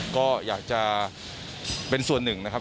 ก็อยากจะเป็นส่วนหนึ่งนะครับ